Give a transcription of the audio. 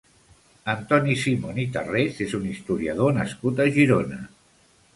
Antoni Simon i Tarrés és un historiador nascut a Girona.